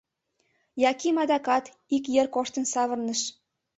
Яким адакат ик йыр коштын савырныш.